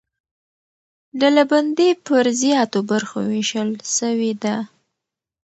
ډلبندي پر زیاتو برخو وېشل سوې ده.